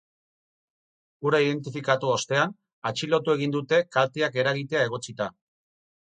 Hura identifikatu ostean, atxilotu egin dute, kalteak eragitea egotzita.